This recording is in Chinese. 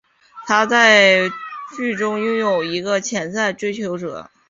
她在剧中拥有一个潜在追求者。